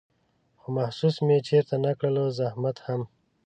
خو محسوس مې چېرته نه کړلو زحمت هم